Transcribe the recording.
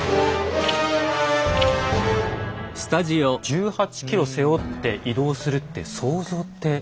１８ｋｇ背負って移動するって想像ってできますか？